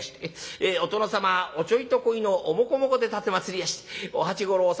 お殿様おちょいとこいのおもこもこで奉りやしてお八五郎様